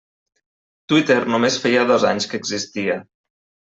Twitter només feia dos anys que existia.